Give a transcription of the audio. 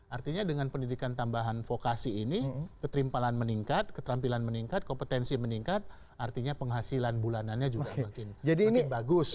artinya dengan pendidikan tambahan vokasi ini ketimpalan meningkat keterampilan meningkat kompetensi meningkat artinya penghasilan bulanannya juga makin bagus